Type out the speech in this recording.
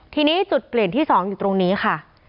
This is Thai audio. ทีนี้จุดเปลี่ยนที่๒อยู่ตรงนี้ค่ะ